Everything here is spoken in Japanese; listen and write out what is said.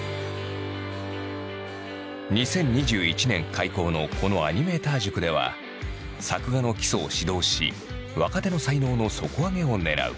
２０２１年開講のこのアニメーター塾では作画の基礎を指導し若手の才能の底上げを狙う。